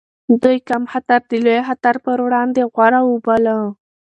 دوی کم خطر د لوی خطر پر وړاندې غوره وباله.